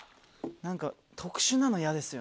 何か特殊なの嫌ですよね。